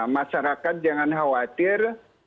masyarakat jangan khawatir